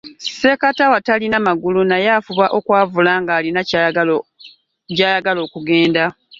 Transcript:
Sekatawa talina magulu naye afuba okwavula ngalina gyayagala okugenda.